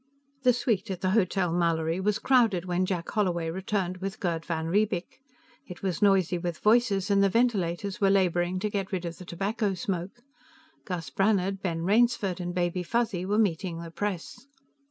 The suite at the Hotel Mallory was crowded when Jack Holloway returned with Gerd van Riebeek; it was noisy with voices, and the ventilators were laboring to get rid of the tobacco smoke. Gus Brannhard, Ben Rainsford and Baby Fuzzy were meeting the press.